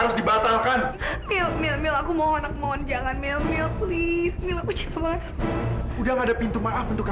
semua buang buang dia